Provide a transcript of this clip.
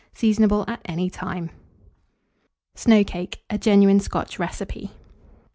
Seasonable at any time. SNOW CAKE. (A genuine Scotch Recipe.)